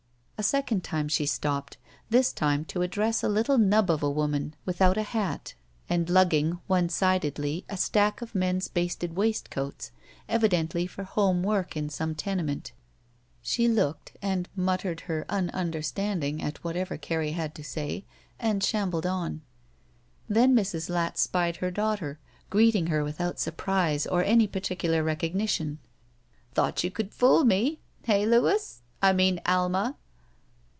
A second time she stopped, this time to address a little nub of a woman without a hat and lugging 5? SHE WALKS IN BEAUTY one sidedly a stack of men's basted waistcoats, evi dently for home work in some tenement* She looked and muttered her un understanding at what ^ ever Carrie had to say, and shambled on. Then Mrs. Latz spied her daught^» greeting her without surprise or any particular recognition. ''Thought you could fool me! Heh, Louis? I mean Alma.